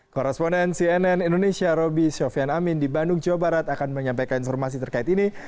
koresponden cnn indonesia roby sofian amin di bandung jawa barat akan menyampaikan informasi terkait ini